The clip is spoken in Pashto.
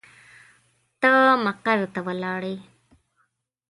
ته مقر ته ولاړې.